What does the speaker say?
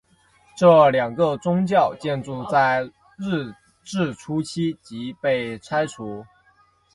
这两个宗教建筑在日治初期即被拆除。